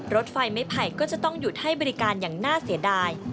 รถไฟไม้ไผ่ก็จะต้องหยุดให้บริการอย่างน่าเสียดาย